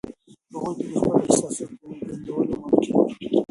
هغوی ته د خپلو احساساتو د څرګندولو موقع ورکړئ.